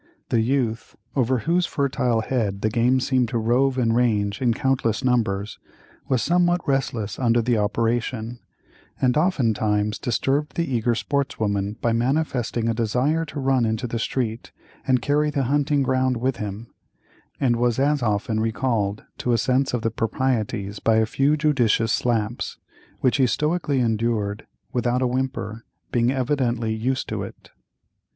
The youth, over whose fertile head the game seemed to rove and range in countless numbers, was somewhat restless under the operation, and oftentimes disturbed the eager sportswoman by manifesting a desire to run into the street and carry the hunting ground with him, and was as often recalled to a sense of the proprieties by a few judicious slaps, which he stoically endured without a whimper, being evidently used to it.